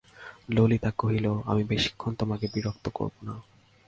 ললিতা কহিল, আমি বেশিক্ষণ তোমাকে বিরক্ত করব না।